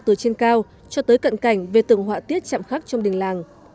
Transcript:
từ trên cao cho tới cận cảnh về từng họa tiết chạm khắc trong đình làng